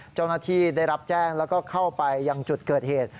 เจ้าหน้าที่ได้รับแจ้งแล้วก็เข้าไปยังจุดเกิดเหตุ